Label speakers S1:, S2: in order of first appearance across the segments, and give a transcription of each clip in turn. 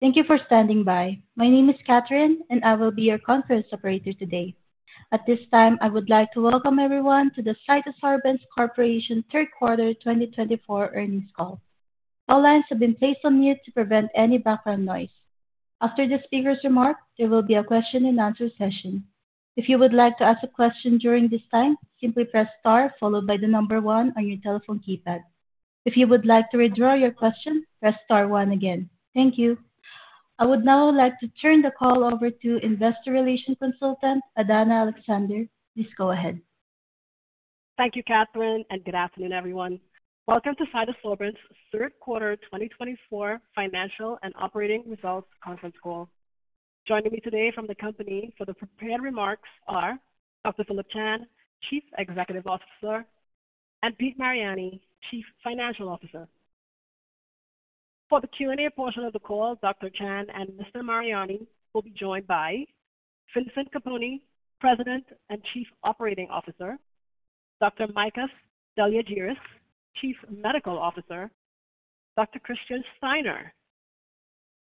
S1: Thank you for standing by. My name is Catherine, and I will be your conference operator today. At this time, I would like to welcome everyone to the CytoSorbents Corporation Third Quarter 2024 Earnings Call. All lines have been placed on mute to prevent any background noise. After the speaker's remark, there will be a question-and-answer session. If you would like to ask a question during this time, simply press star followed by the number one on your telephone keypad. If you would like to withdraw your question, press star one again. Thank you. I would now like to turn the call over to Investor Relations Consultant Adanna Alexander. Please go ahead.
S2: Thank you, Catherine, and good afternoon, everyone. Welcome to CytoSorbents third quarter 2024 financial and operating results conference call. Joining me today from the company for the prepared remarks are Dr. Phillip Chan, Chief Executive Officer, and Peter Mariani, Chief Financial Officer. For the Q&A portion of the call, Dr. Chan and Mr. Mariani will be joined by Vincent Capponi, President and Chief Operating Officer; Dr. Makis Deliargyris, Chief Medical Officer; Dr. Christian Steiner,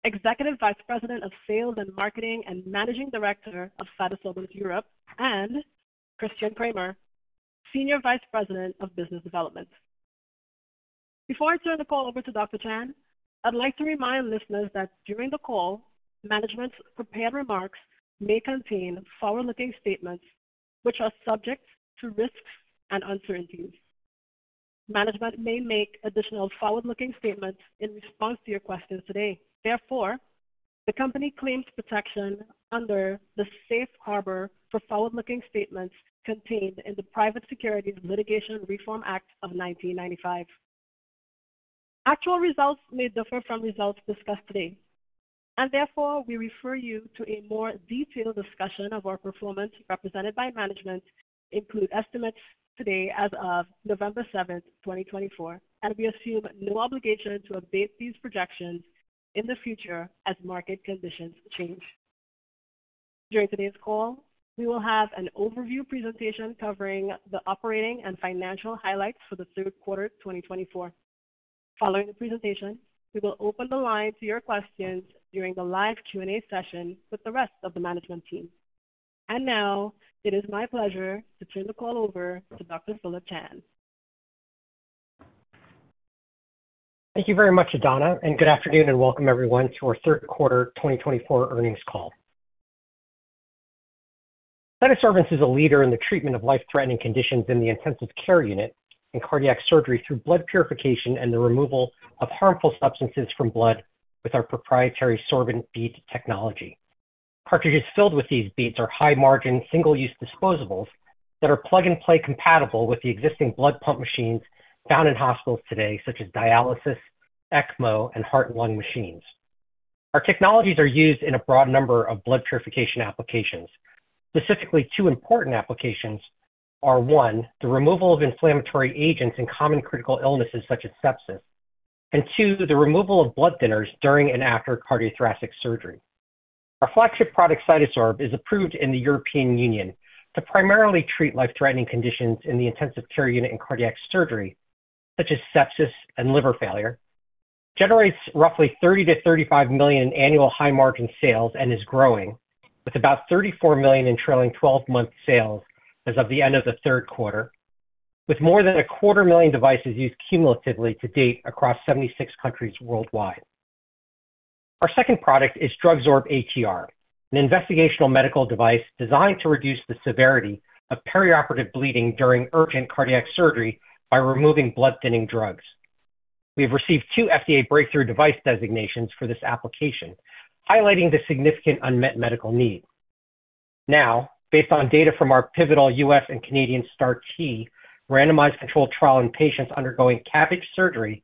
S2: Executive Vice President of Sales and Marketing and Managing Director of CytoSorbents Europe; and Christian Cramer, Senior Vice President of Business Development. Before I turn the call over to Dr. Chan, I'd like to remind listeners that during the call, management's prepared remarks may contain forward-looking statements which are subject to risks and uncertainties. Management may make additional forward-looking statements in response to your questions today. Therefore, the company claims protection under the safe harbor for forward-looking statements contained in the Private Securities Litigation Reform Act of 1995. Actual results may differ from results discussed today, and therefore we refer you to a more detailed discussion of our performance represented by management. Include estimates today as of November 7, 2024, and we assume no obligation to update these projections in the future as market conditions change. During today's call, we will have an overview presentation covering the operating and financial highlights for the third quarter 2024. Following the presentation, we will open the line to your questions during the live Q&A session with the rest of the management team, and now it is my pleasure to turn the call over to Dr. Phillip Chan.
S3: Thank you very much, Adanna, and good afternoon, and welcome everyone to our third quarter 2024 earnings call. CytoSorbents is a leader in the treatment of life-threatening conditions in the intensive care unit in cardiac surgery through blood purification and the removal of harmful substances from blood with our proprietary sorbent bead technology. Cartridges filled with these beads are high-margin, single-use disposables that are plug-and-play compatible with the existing blood pump machines found in hospitals today, such as dialysis, ECMO, and heart and lung machines. Our technologies are used in a broad number of blood purification applications. Specifically, two important applications are: one, the removal of inflammatory agents in common critical illnesses such as sepsis, and two, the removal of blood thinners during and after cardiothoracic surgery. Our flagship product, CytoSorb, is approved in the European Union to primarily treat life-threatening conditions in the intensive care unit in cardiac surgery, such as sepsis and liver failure. It generates roughly $30-$35 million in annual high-margin sales and is growing, with about $34 million in trailing 12-month sales as of the end of the third quarter, with more than 250,000 devices used cumulatively to date across 76 countries worldwide. Our second product is DrugSorb-ATR, an investigational medical device designed to reduce the severity of perioperative bleeding during urgent cardiac surgery by removing blood-thinning drugs. We have received two FDA breakthrough device designations for this application, highlighting the significant unmet medical need. Now, based on data from our pivotal U.S. and Canadian START-T randomized controlled trial in patients undergoing CABG surgery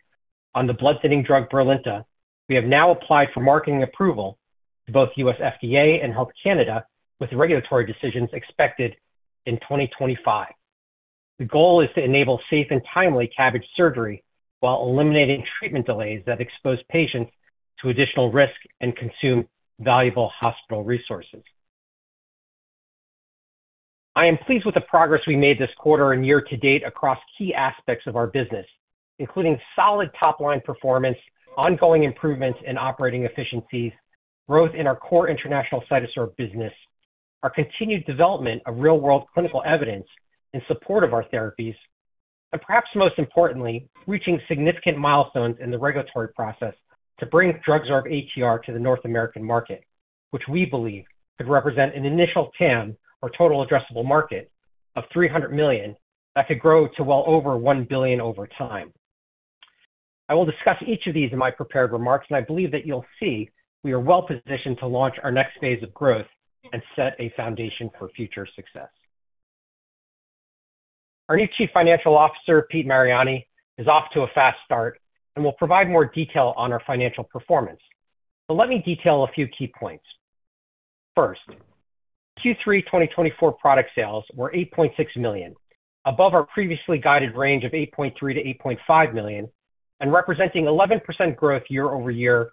S3: on the blood-thinning drug Brilinta, we have now applied for marketing approval to both U.S. FDA and Health Canada, with regulatory decisions expected in 2025. The goal is to enable safe and timely CABG surgery while eliminating treatment delays that expose patients to additional risk and consume valuable hospital resources. I am pleased with the progress we made this quarter and year to date across key aspects of our business, including solid top-line performance, ongoing improvements in operating efficiencies, growth in our core international CytoSorb business, our continued development of real-world clinical evidence in support of our therapies, and perhaps most importantly, reaching significant milestones in the regulatory process to bring DrugSorb-ATR to the North American market, which we believe could represent an initial TAM, or total addressable market, of 300 million that could grow to well over one billion over time. I will discuss each of these in my prepared remarks, and I believe that you'll see we are well positioned to launch our next phase of growth and set a foundation for future success. Our new Chief Financial Officer, Pete Mariani, is off to a fast start and will provide more detail on our financial performance. But let me detail a few key points. First, Q3 2024 product sales were $8.6 million, above our previously guided range of $8.3-$8.5 million, and representing 11% growth year-over-year,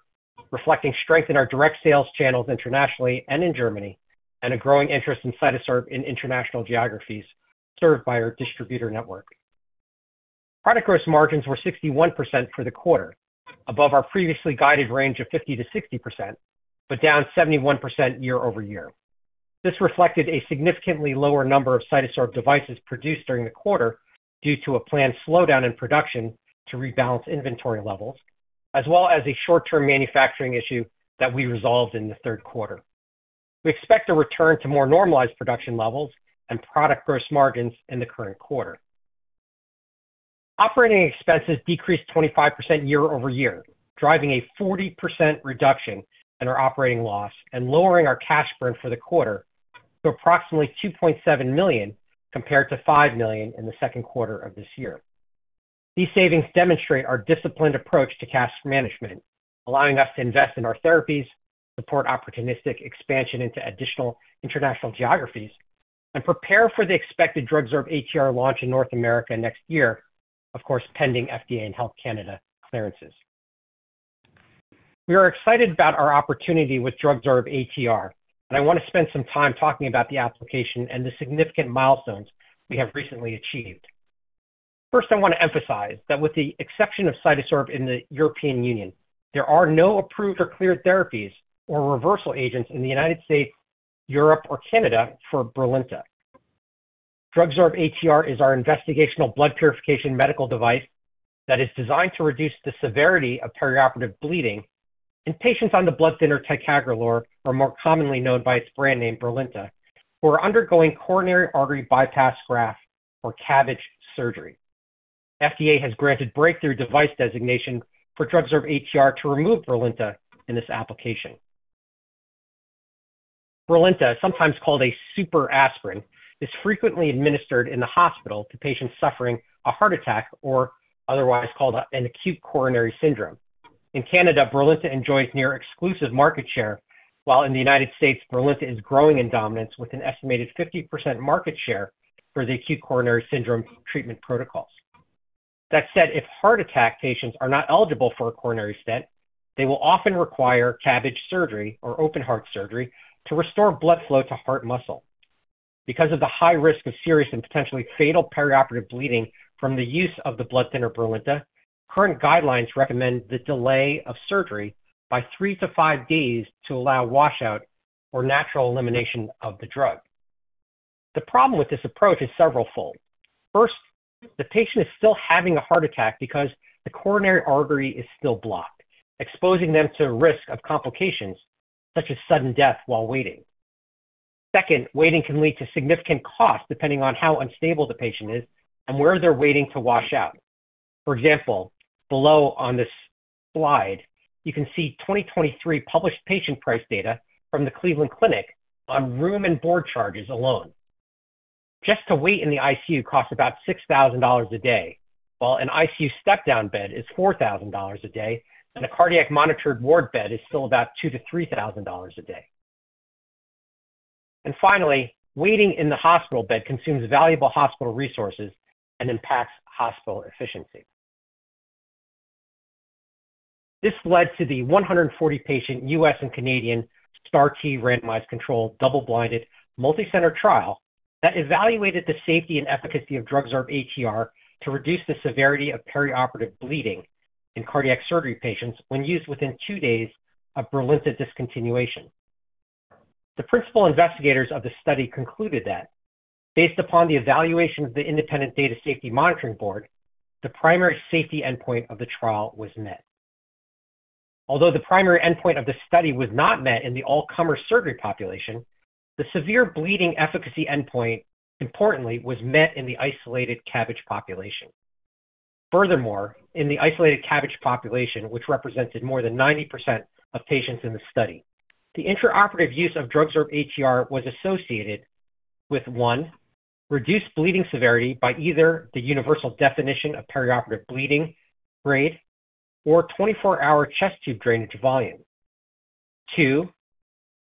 S3: reflecting strength in our direct sales channels internationally and in Germany, and a growing interest in CytoSorb in international geographies served by our distributor network. Product gross margins were 61% for the quarter, above our previously guided range of 50%-60%, but down 71% year-over-year. This reflected a significantly lower number of CytoSorb devices produced during the quarter due to a planned slowdown in production to rebalance inventory levels, as well as a short-term manufacturing issue that we resolved in the third quarter. We expect a return to more normalized production levels and product gross margins in the current quarter. Operating expenses decreased 25% year-over-year, driving a 40% reduction in our operating loss and lowering our cash burn for the quarter to approximately $2.7 million compared to $5 million in the second quarter of this year. These savings demonstrate our disciplined approach to cash management, allowing us to invest in our therapies, support opportunistic expansion into additional international geographies, and prepare for the expected DrugSorb-ATR launch in North America next year, of course, pending FDA and Health Canada clearances. We are excited about our opportunity with DrugSorb-ATR, and I want to spend some time talking about the application and the significant milestones we have recently achieved. First, I want to emphasize that with the exception of CytoSorb in the European Union, there are no approved or cleared therapies or reversal agents in the United States, Europe, or Canada for Brilinta. DrugSorb-ATR is our investigational blood purification medical device that is designed to reduce the severity of perioperative bleeding, and patients on the blood thinner ticagrelor, or more commonly known by its brand name, Brilinta, who are undergoing coronary artery bypass graft, or CABG, surgery. FDA has granted breakthrough device designation for DrugSorb-ATR to remove Brilinta in this application. Brilinta, sometimes called a super aspirin, is frequently administered in the hospital to patients suffering a heart attack, or otherwise called an acute coronary syndrome. In Canada, Brilinta enjoys near-exclusive market share, while in the United States, Brilinta is growing in dominance with an estimated 50% market share for the acute coronary syndrome treatment protocols. That said, if heart attack patients are not eligible for a coronary stent, they will often require CABG surgery or open-heart surgery to restore blood flow to heart muscle. Because of the high risk of serious and potentially fatal perioperative bleeding from the use of the blood thinner Brilinta, current guidelines recommend the delay of surgery by three to five days to allow washout or natural elimination of the drug. The problem with this approach is several-fold. First, the patient is still having a heart attack because the coronary artery is still blocked, exposing them to a risk of complications such as sudden death while waiting. Second, waiting can lead to significant costs depending on how unstable the patient is and where they're waiting to wash out. For example, below on this slide, you can see 2023 published patient price data from the Cleveland Clinic on room and board charges alone. Just to wait in the ICU costs about $6,000 a day, while an ICU step-down bed is $4,000 a day, and a cardiac monitored ward bed is still about $2,000-$3,000 a day. Finally, waiting in the hospital bed consumes valuable hospital resources and impacts hospital efficiency. This led to the 140-patient U.S. and Canadian START-T randomized controlled double-blinded multicenter trial that evaluated the safety and efficacy of DrugSorb-ATR to reduce the severity of perioperative bleeding in cardiac surgery patients when used within two days of Brilinta discontinuation. The principal investigators of the study concluded that, based upon the evaluation of the Independent Data Safety Monitoring Board, the primary safety endpoint of the trial was met. Although the primary endpoint of the study was not met in the all-comer surgery population, the severe bleeding efficacy endpoint, importantly, was met in the isolated CABG population. Furthermore, in the isolated CABG population, which represented more than 90% of patients in the study, the intraoperative use of DrugSorb-ATR was associated with, one, reduced bleeding severity by either the universal definition of perioperative bleeding rate, or 24-hour chest tube drainage volume. Two,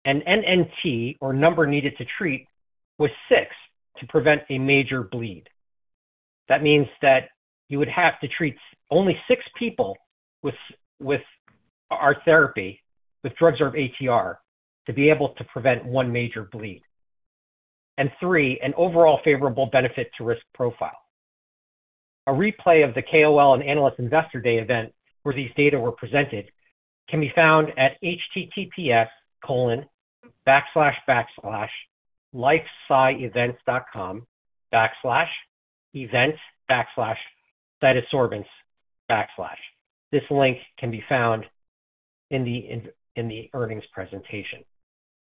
S3: an NNT, or number needed to treat, was six to prevent a major bleed. That means that you would have to treat only six people with our therapy with DrugSorb-ATR to be able to prevent one major bleed. And three, an overall favorable benefit to risk profile. A replay of the KOL and Analyst Investor Day event where these data were presented can be found at https://lifescievents.com/events/events/cytosorbents/. This link can be found in the earnings presentation.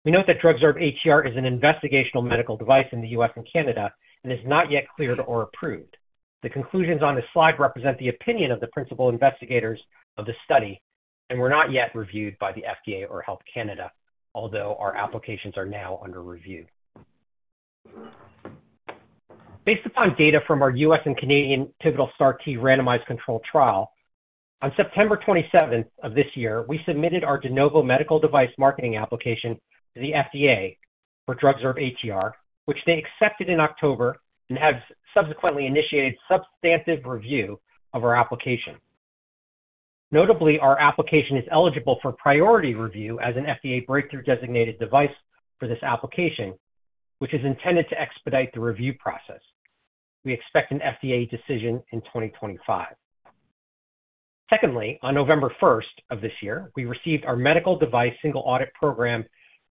S3: We note that DrugSorb-ATR is an investigational medical device in the U.S. and Canada and is not yet cleared or approved. The conclusions on the slide represent the opinion of the principal investigators of the study and were not yet reviewed by the FDA or Health Canada, although our applications are now under review. Based upon data from our U.S. and Canadian pivotal START-T randomized controlled trial, on September 27 of this year, we submitted our De Novo medical device marketing application to the FDA for DrugSorb-ATR, which they accepted in October and have subsequently initiated substantive review of our application. Notably, our application is eligible for priority review as an FDA breakthrough designated device for this application, which is intended to expedite the review process. We expect an FDA decision in 2025. Secondly, on November 1st of this year, we received our Medical Device Single Audit Program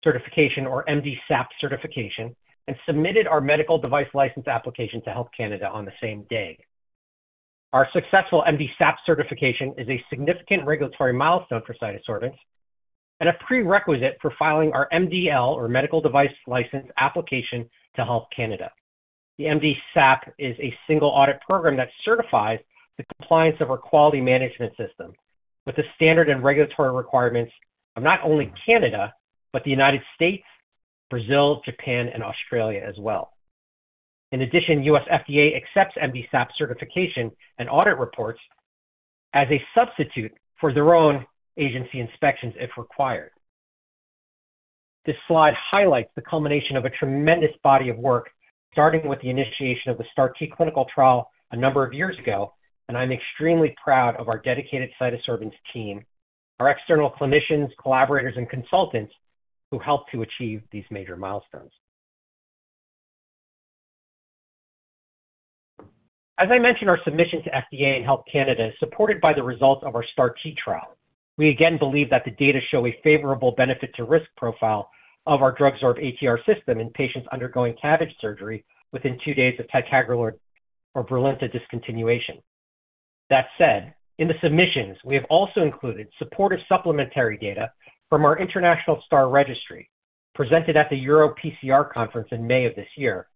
S3: certification, or MDSAP certification, and submitted our Medical Device License application to Health Canada on the same day. Our successful MDSAP certification is a significant regulatory milestone for CytoSorbents and a prerequisite for filing our MDL, or Medical Device License, application to Health Canada. The MDSAP is a single audit program that certifies the compliance of our quality management system with the standard and regulatory requirements of not only Canada, but the United States, Brazil, Japan, and Australia as well. In addition, U.S. FDA accepts MDSAP certification and audit reports as a substitute for their own agency inspections if required. This slide highlights the culmination of a tremendous body of work, starting with the initiation of the START-T clinical trial a number of years ago, and I'm extremely proud of our dedicated CytoSorbents team, our external clinicians, collaborators, and consultants who helped to achieve these major milestones. As I mentioned, our submission to FDA and Health Canada is supported by the results of our START-T trial. We again believe that the data show a favorable benefit to risk profile of our DrugSorb-ATR system in patients undergoing CABG surgery within two days of ticagrelor or Brilinta discontinuation. That said, in the submissions, we have also included supportive supplementary data from our International STAR Registry presented at the EuroPCR conference in May of this year,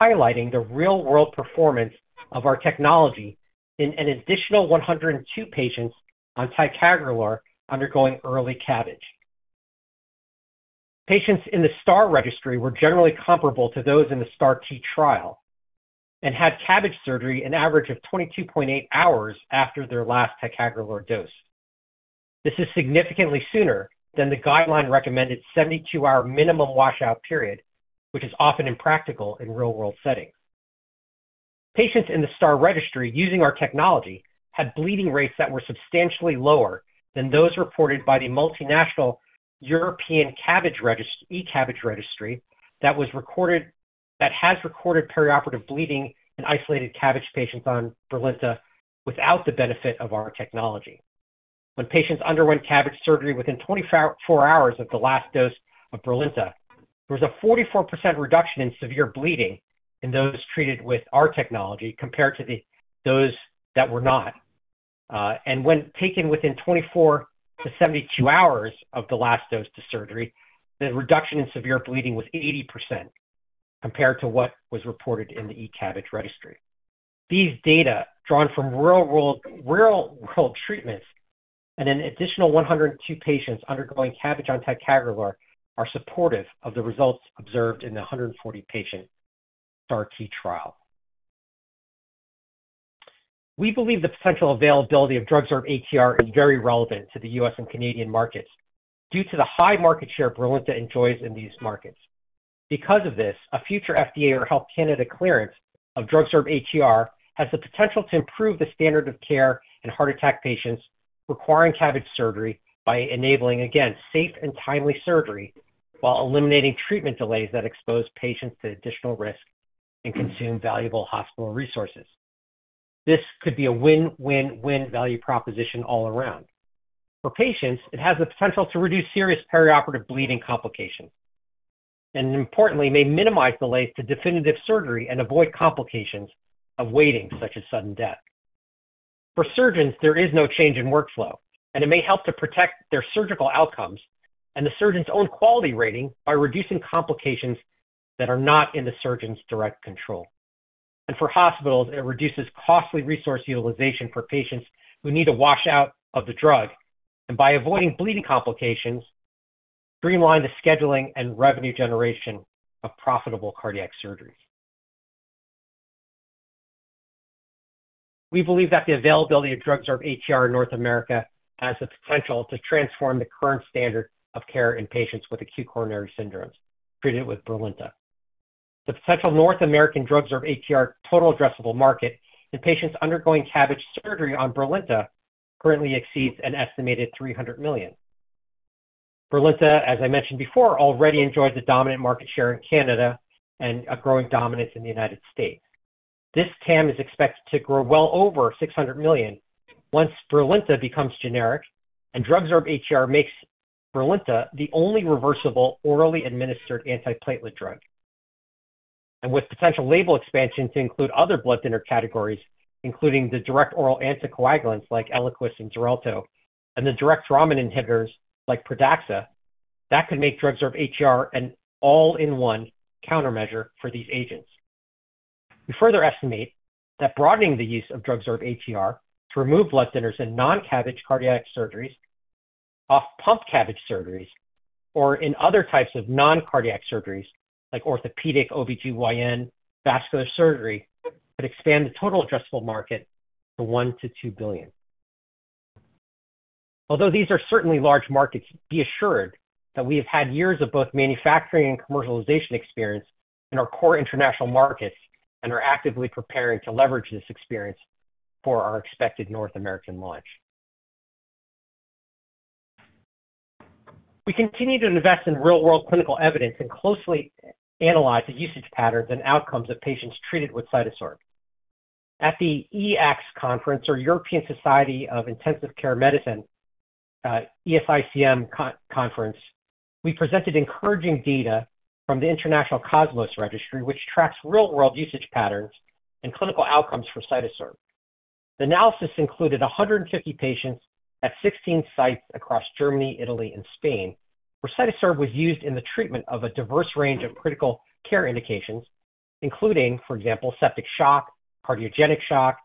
S3: highlighting the real-world performance of our technology in an additional 102 patients on ticagrelor undergoing early CABG. Patients in the STAR Registry were generally comparable to those in the START-T trial and had CABG surgery an average of 22.8 hours after their last ticagrelor dose. This is significantly sooner than the guideline-recommended 72-hour minimum washout period, which is often impractical in real-world settings. Patients in the STAR Registry using our technology had bleeding rates that were substantially lower than those reported by the multinational European CABG E-CABG registry that has recorded perioperative bleeding in isolated CABG patients on Brilinta without the benefit of our technology. When patients underwent CABG surgery within 24 hours of the last dose of Brilinta, there was a 44% reduction in severe bleeding in those treated with our technology compared to those that were not, and when taken within 24 to 72 hours of the last dose to surgery, the reduction in severe bleeding was 80% compared to what was reported in the E-CABG registry. These data drawn from real-world treatments and an additional 102 patients undergoing CABG on ticagrelor are supportive of the results observed in the 140-patient START-T trial. We believe the potential availability of DrugSorb-ATR is very relevant to the U.S. And Canadian markets due to the high market share Brilinta enjoys in these markets. Because of this, a future FDA or Health Canada clearance of DrugSorb-ATR has the potential to improve the standard of care in heart attack patients requiring CABG surgery by enabling, again, safe and timely surgery while eliminating treatment delays that expose patients to additional risk and consume valuable hospital resources. This could be a win-win-win value proposition all around. For patients, it has the potential to reduce serious perioperative bleeding complications and, importantly, may minimize delays to definitive surgery and avoid complications of waiting, such as sudden death. For surgeons, there is no change in workflow, and it may help to protect their surgical outcomes and the surgeon's own quality rating by reducing complications that are not in the surgeon's direct control. And for hospitals, it reduces costly resource utilization for patients who need a washout of the drug and, by avoiding bleeding complications, streamlines the scheduling and revenue generation of profitable cardiac surgeries. We believe that the availability of DrugSorb-ATR in North America has the potential to transform the current standard of care in patients with acute coronary syndromes treated with Brilinta. The potential North American DrugSorb-ATR total addressable market in patients undergoing CABG surgery on Brilinta currently exceeds an estimated $300 million. Brilinta, as I mentioned before, already enjoys a dominant market share in Canada and a growing dominance in the United States. This TAM is expected to grow well over $600 million once Brilinta becomes generic and DrugSorb-ATR makes Brilinta the only reversible orally-administered antiplatelet drug. And with potential label expansion to include other blood thinner categories, including the direct oral anticoagulants like Eliquis and Xarelto and the direct thrombin inhibitors like Pradaxa, that could make DrugSorb-ATR an all-in-one countermeasure for these agents. We further estimate that broadening the use of DrugSorb-ATR to remove blood thinners in non-CABG cardiac surgeries, off-pump CABG surgeries, or in other types of non-cardiac surgeries like orthopedic OB/GYN vascular surgery could expand the total addressable market to one to two billion. Although these are certainly large markets, be assured that we have had years of both manufacturing and commercialization experience in our core international markets and are actively preparing to leverage this experience for our expected North American launch. We continue to invest in real-world clinical evidence and closely analyze the usage patterns and outcomes of patients treated with CytoSorb. At the EACTS conference, or European Society of Intensive Care Medicine, ESICM conference, we presented encouraging data from the International COSMOS Registry, which tracks real-world usage patterns and clinical outcomes for CytoSorb. The analysis included 150 patients at 16 sites across Germany, Italy, and Spain where CytoSorb was used in the treatment of a diverse range of critical care indications, including, for example, septic shock, cardiogenic shock,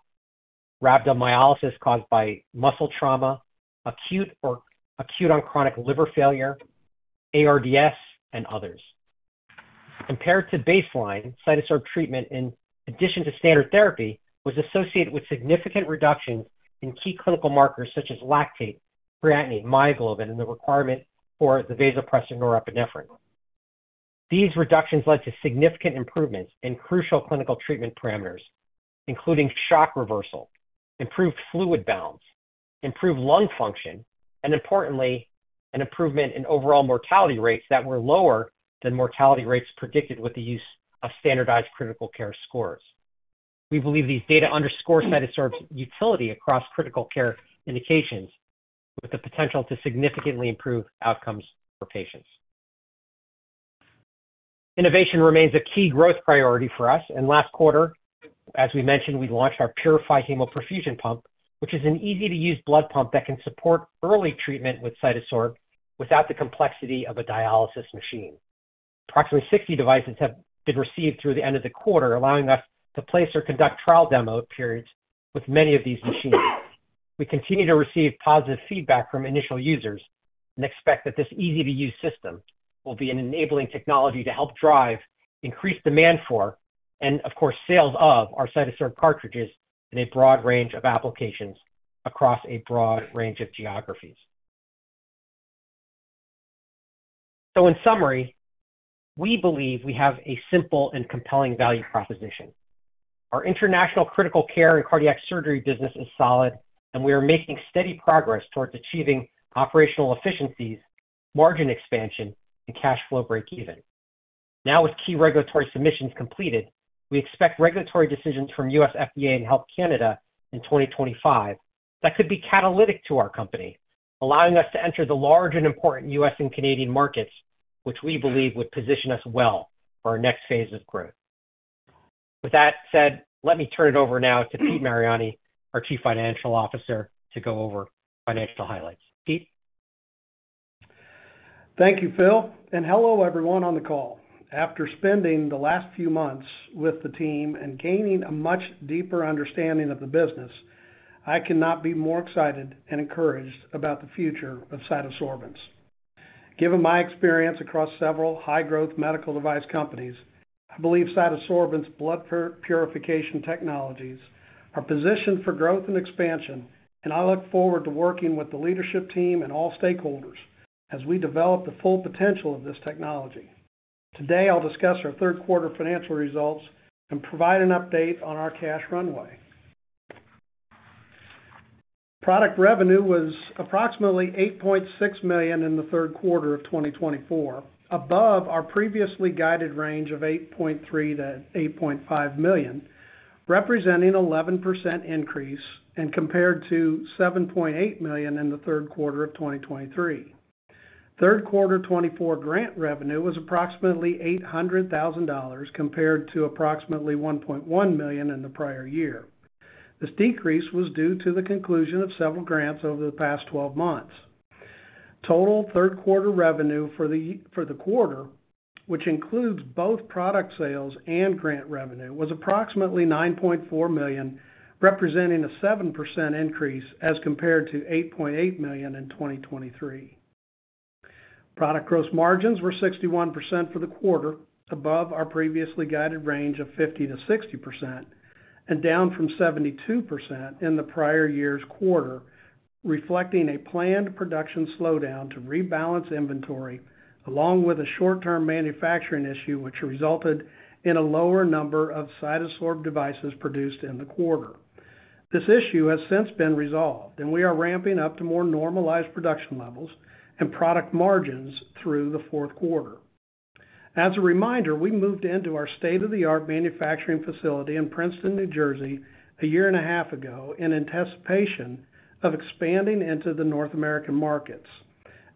S3: rhabdomyolysis caused by muscle trauma, acute or acute-on-chronic liver failure, ARDS, and others. Compared to baseline, CytoSorb treatment, in addition to standard therapy, was associated with significant reductions in key clinical markers such as lactate, creatinine, myoglobin, and the requirement for the vasopressor norepinephrine. These reductions led to significant improvements in crucial clinical treatment parameters, including shock reversal, improved fluid balance, improved lung function, and, importantly, an improvement in overall mortality rates that were lower than mortality rates predicted with the use of standardized critical care scores. We believe these data underscore CytoSorb's utility across critical care indications with the potential to significantly improve outcomes for patients. Innovation remains a key growth priority for us. In last quarter, as we mentioned, we launched our PuriFi hemoperfusion pump, which is an easy-to-use blood pump that can support early treatment with CytoSorb without the complexity of a dialysis machine. Approximately 60 devices have been received through the end of the quarter, allowing us to place or conduct trial demo periods with many of these machines. We continue to receive positive feedback from initial users and expect that this easy-to-use system will be an enabling technology to help drive increased demand for, and of course, sales of, our CytoSorb cartridges in a broad range of applications across a broad range of geographies. So, in summary, we believe we have a simple and compelling value proposition. Our international critical care and cardiac surgery business is solid, and we are making steady progress towards achieving operational efficiencies, margin expansion, and cash flow break-even. Now, with key regulatory submissions completed, we expect regulatory decisions from U.S. FDA and Health Canada in 2025 that could be catalytic to our company, allowing us to enter the large and important U.S. and Canadian markets, which we believe would position us well for our next phase of growth. With that said, let me turn it over now to Pete Mariani, our Chief Financial Officer, to go over financial highlights. Pete.
S4: Thank you, Phil, and hello everyone on the call. After spending the last few months with the team and gaining a much deeper understanding of the business, I cannot be more excited and encouraged about the future of CytoSorbents. Given my experience across several high-growth medical device companies, I believe CytoSorbents's blood purification technologies are positioned for growth and expansion, and I look forward to working with the leadership team and all stakeholders as we develop the full potential of this technology. Today, I'll discuss our third quarter financial results and provide an update on our cash runway. Product revenue was approximately $8.6 million in the third quarter of 2024, above our previously guided range of $8.3-$8.5 million, representing an 11% increase compared to $7.8 million in the third quarter of 2023. Third quarter 2024 grant revenue was approximately $800,000 compared to approximately $1.1 million in the prior year. This decrease was due to the conclusion of several grants over the past 12 months. Total third quarter revenue for the quarter, which includes both product sales and grant revenue, was approximately $9.4 million, representing a 7% increase as compared to $8.8 million in 2023. Product gross margins were 61% for the quarter, above our previously guided range of 50%-60%, and down from 72% in the prior year's quarter, reflecting a planned production slowdown to rebalance inventory along with a short-term manufacturing issue which resulted in a lower number of CytoSorb devices produced in the quarter. This issue has since been resolved, and we are ramping up to more normalized production levels and product margins through the fourth quarter. As a reminder, we moved into our state-of-the-art manufacturing facility in Princeton, New Jersey, a year and a half ago in anticipation of expanding into the North American markets.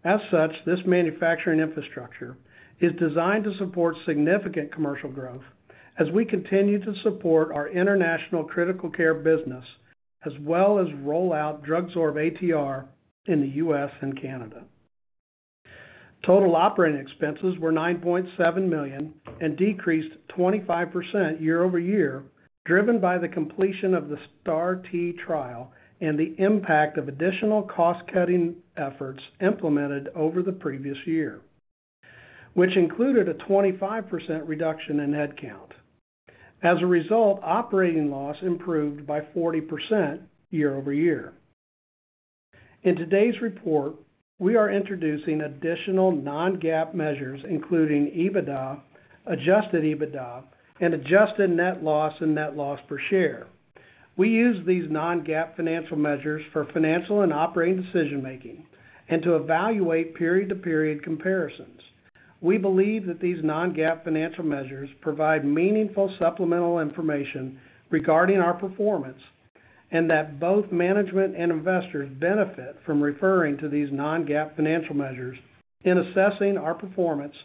S4: As such, this manufacturing infrastructure is designed to support significant commercial growth as we continue to support our international critical care business as well as roll out DrugSorb-ATR in the U.S. and Canada. Total operating expenses were $9.7 million and decreased 25% year-over-year, driven by the completion of the START-T trial and the impact of additional cost-cutting efforts implemented over the previous year, which included a 25% reduction in headcount. As a result, operating loss improved by 40% year-over-year. In today's report, we are introducing additional non-GAAP measures, including EBITDA, adjusted EBITDA, and adjusted net loss and net loss per share. We use these non-GAAP financial measures for financial and operating decision-making and to evaluate period-to-period comparisons. We believe that these non-GAAP financial measures provide meaningful supplemental information regarding our performance and that both management and investors benefit from referring to these non-GAAP financial measures in assessing our performance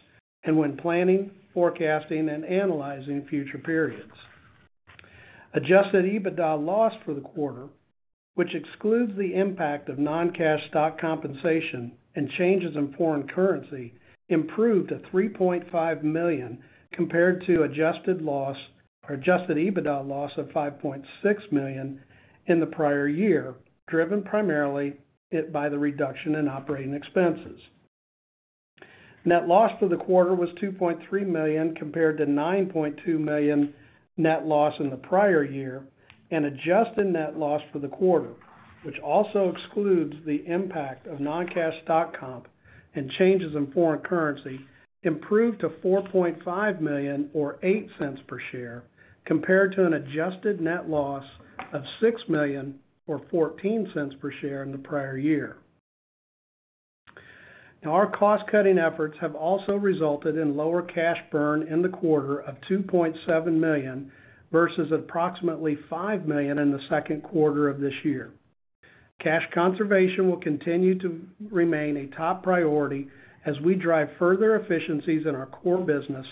S4: and when planning, forecasting, and analyzing future periods. Adjusted EBITDA loss for the quarter, which excludes the impact of non-cash stock compensation and changes in foreign currency, improved to $3.5 million compared to adjusted loss or adjusted EBITDA loss of $5.6 million in the prior year, driven primarily by the reduction in operating expenses. Net loss for the quarter was $2.3 million compared to $9.2 million net loss in the prior year, and adjusted net loss for the quarter, which also excludes the impact of non-cash stock comp and changes in foreign currency, improved to $4.5 million or $0.08 per share compared to an adjusted net loss of $6 million or $0.14 per share in the prior year. Now, our cost-cutting efforts have also resulted in lower cash burn in the quarter of $2.7 million versus approximately $5 million in the second quarter of this year. Cash conservation will continue to remain a top priority as we drive further efficiencies in our core business,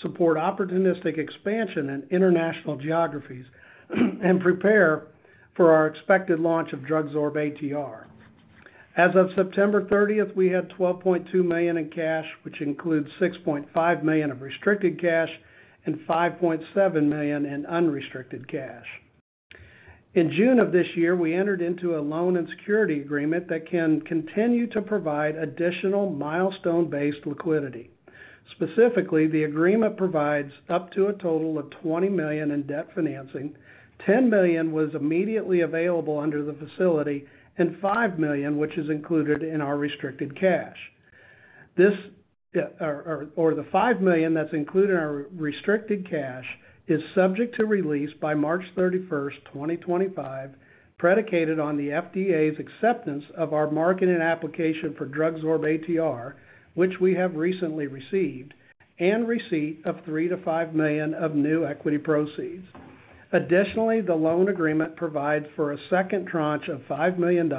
S4: support opportunistic expansion in international geographies, and prepare for our expected launch of DrugSorb-ATR. As of September 30th, we had $12.2 million in cash, which includes $6.5 million of restricted cash and $5.7 million in unrestricted cash. In June of this year, we entered into a loan and security agreement that can continue to provide additional milestone-based liquidity. Specifically, the agreement provides up to a total of $20 million in debt financing, $10 million was immediately available under the facility, and $5 million, which is included in our restricted cash. This or the $5 million that's included in our restricted cash is subject to release by March 31st, 2025, predicated on the FDA's acceptance of our marketing application for DrugSorb-ATR, which we have recently received, and receipt of $3 million to $5 million of new equity proceeds. Additionally, the loan agreement provides for a second tranche of $5 million,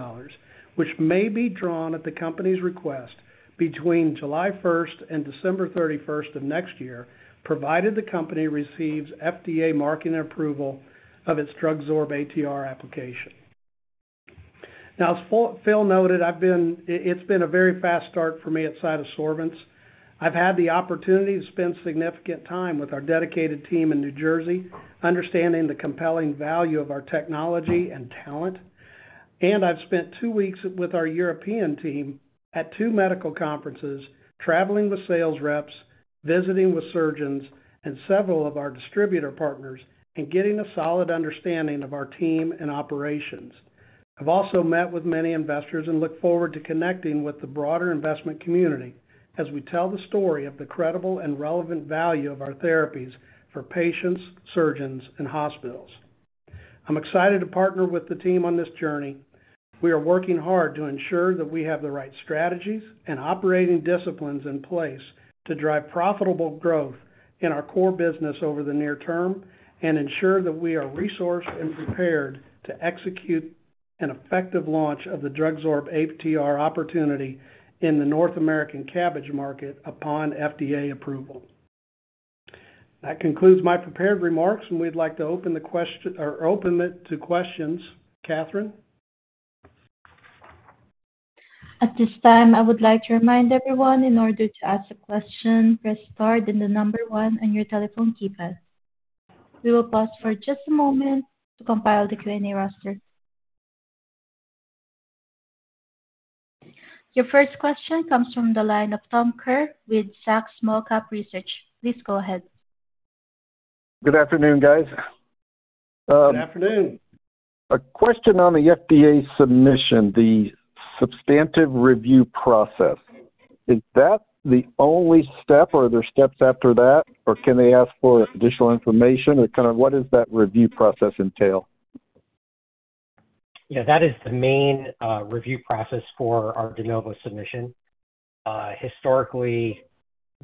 S4: which may be drawn at the company's request between July 1st and December 31st of next year, provided the company receives FDA marketing approval of its DrugSorb-ATR application. Now, as Phil noted, it's been a very fast start for me at CytoSorbents. I've had the opportunity to spend significant time with our dedicated team in New Jersey, understanding the compelling value of our technology and talent, and I've spent two weeks with our European team at two medical conferences, traveling with sales reps, visiting with surgeons and several of our distributor partners, and getting a solid understanding of our team and operations. I've also met with many investors and look forward to connecting with the broader investment community as we tell the story of the credible and relevant value of our therapies for patients, surgeons, and hospitals. I'm excited to partner with the team on this journey. We are working hard to ensure that we have the right strategies and operating disciplines in place to drive profitable growth in our core business over the near term and ensure that we are resourced and prepared to execute an effective launch of the DrugSorb-ATR opportunity in the North American CABG market upon FDA approval. That concludes my prepared remarks, and we'd like to open the question or open it to questions. Catherine.
S1: At this time, I would like to remind everyone in order to ask a question, press star and the number one on your telephone keypad. We will pause for just a moment to compile the Q&A roster. Your first question comes from the line of Tom Kerr with Zacks Small Cap Research. Please go ahead.
S5: Good afternoon, guys. Good afternoon. A question on the FDA submission, the substantive review process. Is that the only step, or are there steps after that, or can they ask for additional information, or kind of what does that review process entail?
S3: Yeah, that is the main review process for our De Novo submission. Historically,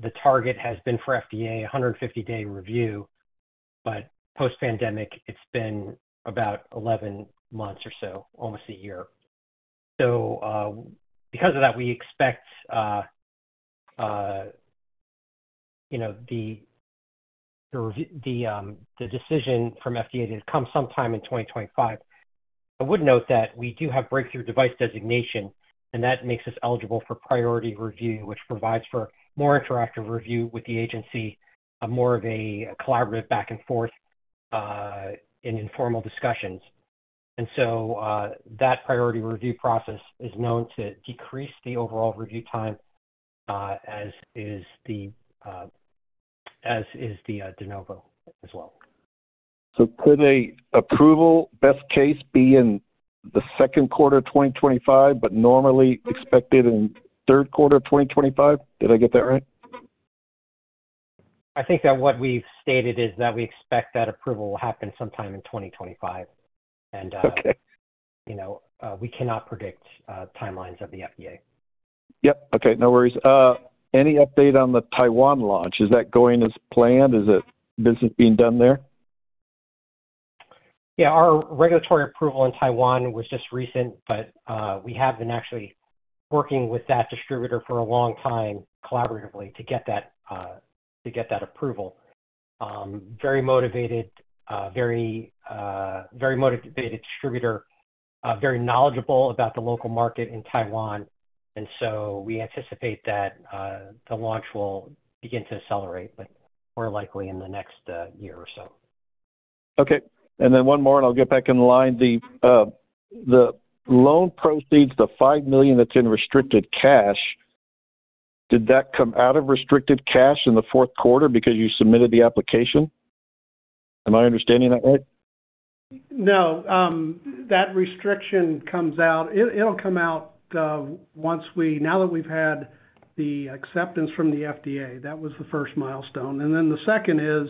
S3: the target has been for FDA 150-day review, but post-pandemic, it's been about 11 months or so, almost a year. So because of that, we expect the decision from FDA to come sometime in 2025. I would note that we do have breakthrough device designation, and that makes us eligible for priority review, which provides for more interactive review with the agency, more of a collaborative back and forth in informal discussions, and so that priority review process is known to decrease the overall review time, as is the De Novo as well.
S5: So could an approval, best case, be in the second quarter of 2025, but normally expected in third quarter of 2025? Did I get that right?
S3: I think that what we've stated is that we expect that approval will happen sometime in 2025, and we cannot predict timelines of the FDA.
S5: Yep. Okay. No worries. Any update on the Taiwan launch? Is that going as planned? Is business being done there?
S3: Yeah. Our regulatory approval in Taiwan was just recent, but we have been actually working with that distributor for a long time collaboratively to get that approval. Very motivated, very motivated distributor, very knowledgeable about the local market in Taiwan. And so we anticipate that the launch will begin to accelerate, but more likely in the next year or so.
S5: Okay. And then one more, and I'll get back in line. The loan proceeds, the $5 million that's in restricted cash, did that come out of restricted cash in the fourth quarter because you submitted the application? Am I understanding that right?
S4: No. That restriction comes out. It'll come out once we know that we've had the acceptance from the FDA, that was the first milestone. And then the second is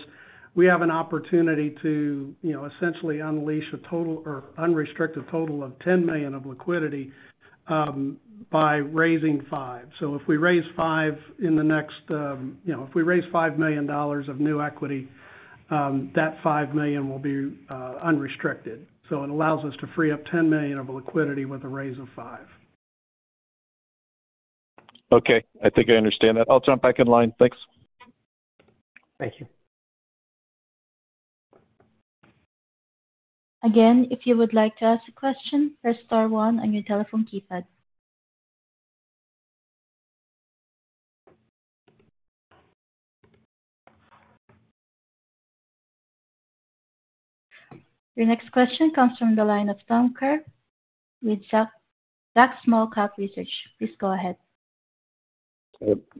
S4: we have an opportunity to essentially unleash a total or unrestricted total of $10 million of liquidity by raising five. So if we raise five in the next if we raise $5 million of new equity, that $5 million will be unrestricted. So it allows us to free up $10 million of liquidity with a raise of five.
S5: Okay. I think I understand that. I'll jump back in line. Thanks.
S3: Thank you.
S1: Again, if you would like to ask a question, press star one on your telephone keypad. Your next question comes from the line of Tom Kerr with Zacks Small Cap Research. Please go ahead.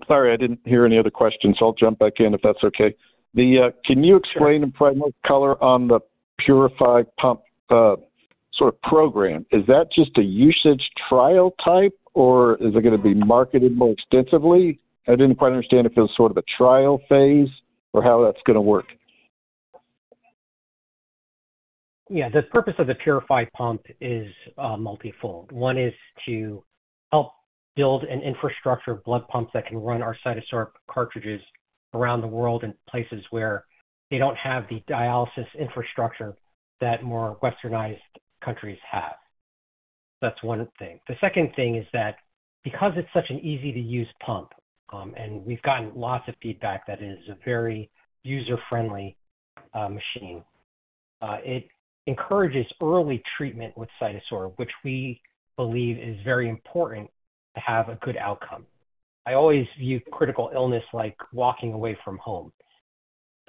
S5: Sorry, I didn't hear any other questions. I'll jump back in if that's okay. Can you explain the primary goal on the PuriFi pump sort of program? Is that just a usage trial type, or is it going to be marketed more extensively? I didn't quite understand if it was sort of a trial phase or how that's going to work.
S3: Yeah. The purpose of the PuriFi pump is multi-fold. One is to help build an infrastructure of blood pumps that can run our CytoSorb cartridges around the world in places where they don't have the dialysis infrastructure that more westernized countries have. That's one thing. The second thing is that because it's such an easy-to-use pump, and we've gotten lots of feedback that it is a very user-friendly machine, it encourages early treatment with CytoSorb, which we believe is very important to have a good outcome. I always view critical illness like walking away from home.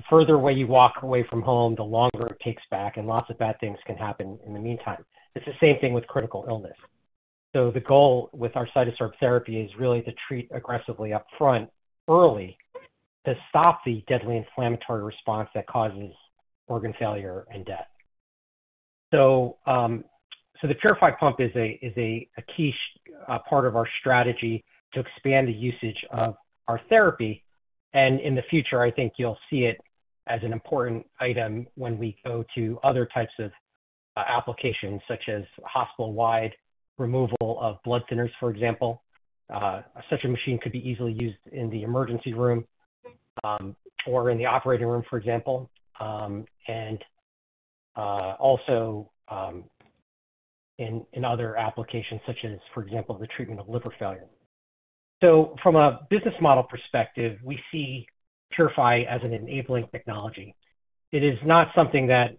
S3: The further away you walk away from home, the longer it takes back, and lots of bad things can happen in the meantime. It's the same thing with critical illness. So the goal with our CytoSorb therapy is really to treat aggressively upfront, early, to stop the deadly inflammatory response that causes organ failure and death. So the PuriFi pump is a key part of our strategy to expand the usage of our therapy. In the future, I think you'll see it as an important item when we go to other types of applications, such as hospital-wide removal of blood thinners, for example. Such a machine could be easily used in the emergency room or in the operating room, for example, and also in other applications, such as, for example, the treatment of liver failure. From a business model perspective, we see PuriFi as an enabling technology. It is not something that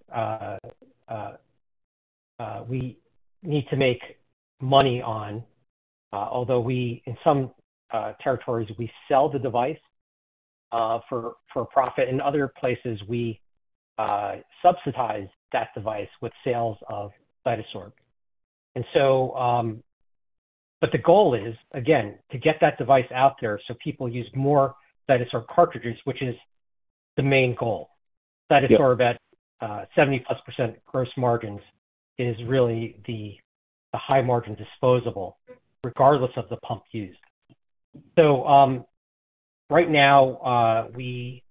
S3: we need to make money on, although in some territories, we sell the device for profit. In other places, we subsidize that device with sales of CytoSorb. The goal is, again, to get that device out there so people use more CytoSorb cartridges, which is the main goal. CytoSorb at 70+% gross margins is really the high-margin disposable, regardless of the pump used. So right now, we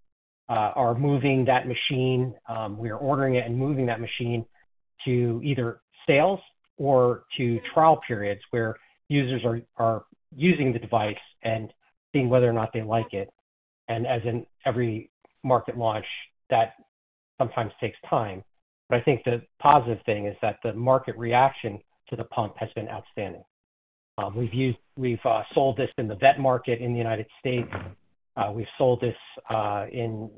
S3: are moving that machine. We are ordering it and moving that machine to either sales or to trial periods where users are using the device and seeing whether or not they like it. And as in every market launch, that sometimes takes time. But I think the positive thing is that the market reaction to the pump has been outstanding. We've sold this in the vet market in the United States. We've sold this in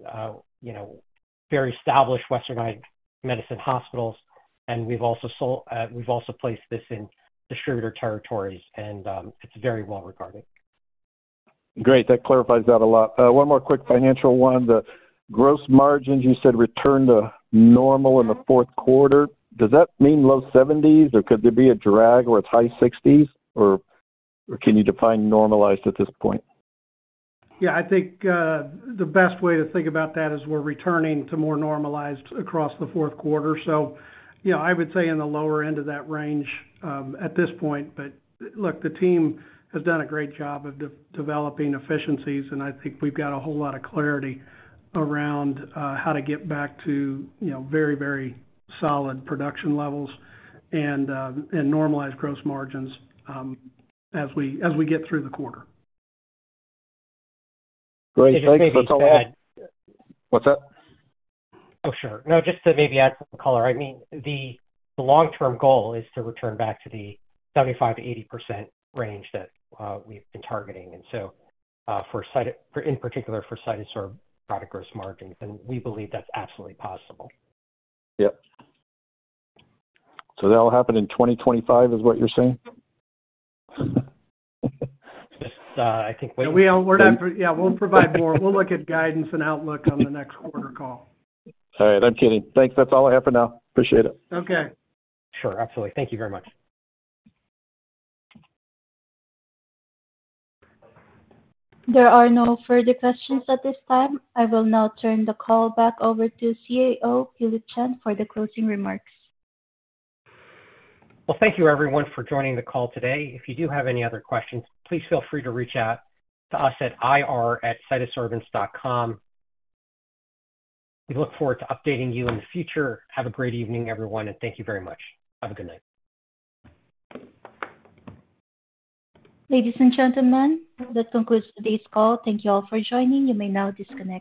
S3: very established westernized medicine hospitals, and we've also placed this in distributor territories, and it's very well regarded.
S5: Great. That clarifies that a lot. One more quick financial one. The gross margins, you said returned to normal in the fourth quarter. Does that mean low 70s, or could there be a drag or a high 60s, or can you define normalized at this point? Yeah.
S4: I think the best way to think about that is we're returning to more normalized across the fourth quarter. So I would say in the lower end of that range at this point. But look, the team has done a great job of developing efficiencies, and I think we've got a whole lot of clarity around how to get back to very, very solid production levels and normalized gross margins as we get through the quarter.
S5: Great. Thanks for that. What's that? Oh, sure.
S3: No, just to maybe add some color. I mean, the long-term goal is to return back to the 75%-80% range that we've been targeting. And so in particular, for Cytosorb product gross margins, and we believe that's absolutely possible.
S5: Yep. So that'll happen in 2025 is what you're saying?
S4: I think we'll. Yeah. We'll provide more. We'll look at guidance and outlook on the next quarter call.
S5: All right. I'm kidding. Thanks. That's all I have for now. Appreciate it.
S4: Okay.
S3: Sure. Absolutely. Thank you very much.
S1: There are no further questions at this time. I will now turn the call back over to CEO Phillip Chan for the closing remarks.
S3: Well, thank you, everyone, for joining the call today. If you do have any other questions, please feel free to reach out to us at ir@cytosorbents.com. We look forward to updating you in the future. Have a great evening, everyone, and thank you very much. Have a good night.
S1: Ladies and gentlemen, that concludes today's call. Thank you all for joining. You may now disconnect.